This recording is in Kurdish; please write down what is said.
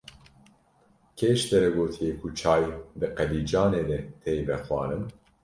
Kê ji te re gotiye ku çay di qelîcanê de tê vexwarin?